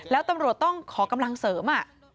แล้วตำรวจต้องขอกำลังเสริม